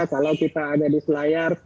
kalau kita ada di selayar